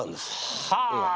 はあ。